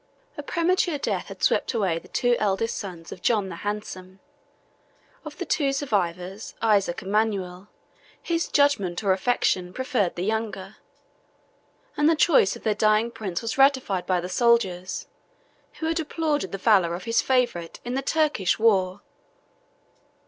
A premature death had swept away the two eldest sons of John the Handsome; of the two survivors, Isaac and Manuel, his judgment or affection preferred the younger; and the choice of their dying prince was ratified by the soldiers, who had applauded the valor of his favorite in the Turkish war.